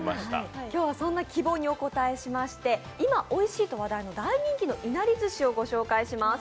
今日はそんな希望にお応えしまして、今、おいしいと話題の大人気のいなりずしを御紹介します。